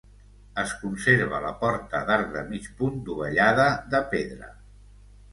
Es conserva la porta d'arc de mig punt dovellada de pedra.